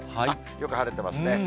あっ、よく晴れてますね。